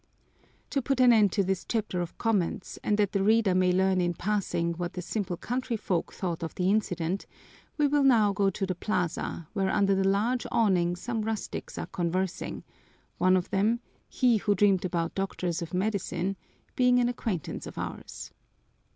To put an end to this chapter of comments and that the reader may learn in passing what the simple country folk thought of the incident, we will now go to the plaza, where under the large awning some rustics are conversing, one of them he who dreamed about doctors of medicine being an acquaintance of ours.